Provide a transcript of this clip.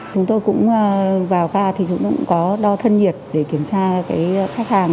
chúng tôi cũng vào gà thì chúng tôi cũng có đo thân nhiệt để kiểm tra khách hàng